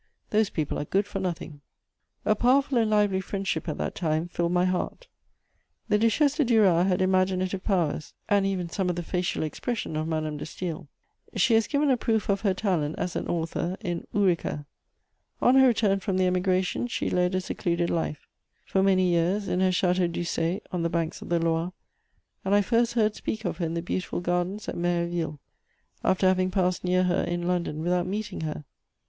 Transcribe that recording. Those people are good for nothing." [Sidenote: The Duchesse de Duras.] A powerful and lively friendship at that time filled my heart: the Duchesse de Duras had imaginative powers, and even some of the facial expression of Madame de Staël: she has given a proof of her talent as an author in Ourika. On her return from the Emigration, she led a secluded life, for many years, in her Château d'Ussé, on the banks of the Loire, and I first heard speak of her in the beautiful gardens at Méréville, after having passed near her in London without meeting her.